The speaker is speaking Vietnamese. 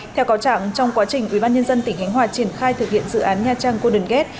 theo cáo trạng trong quá trình ubnd tỉnh khánh hòa triển khai thực hiện dự án nha trang cô đơn ghét